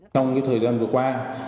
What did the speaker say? trong thời gian vừa qua